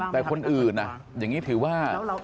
แต่คนอื่นอย่างนี้ถือว่า